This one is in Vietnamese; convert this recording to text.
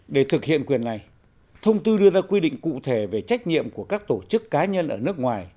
để thực hiện quyền này thông tư đưa ra quy định cụ thể về trách nhiệm của các tổ chức cá nhân ở nước ngoài